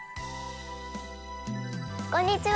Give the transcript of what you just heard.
こんにちは！